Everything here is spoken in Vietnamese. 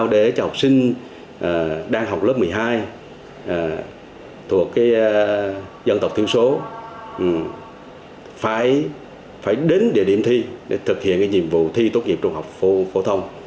điều đó phải đến địa điểm thi để thực hiện nhiệm vụ thi tốt nghiệp trung học phổ thông